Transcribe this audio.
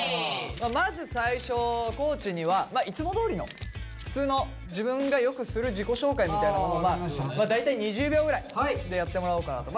まず最初地にはいつもどおりの普通の自分がよくする自己紹介みたいなものを大体２０秒ぐらいでやってもらおうかなと。